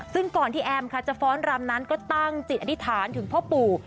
ซึ่งก่อนที่แอมค่ะจะฟ้อนรำนั้นก็ตั้งจิตอธิษฐานถึงพ่อปู่